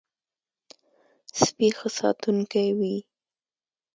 سپي ښه ساتونکی وي.